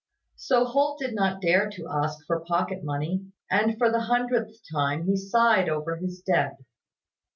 So Holt did not dare to ask for pocket money; and for the hundredth time he sighed over his debt.